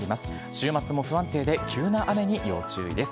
週末も不安定で、急な雨に要注意です。